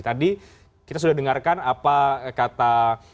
tadi kita sudah dengarkan apa kata